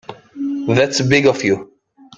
That's big of you.